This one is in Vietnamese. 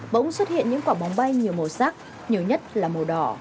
bỗng xuất hiện những quả bóng bay nhiều màu sắc nhiều nhất là màu đỏ